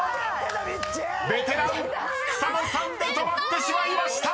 ［ベテラン草野さんで止まってしまいました！］